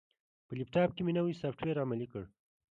په لپټاپ کې مې نوی سافټویر عملي کړ.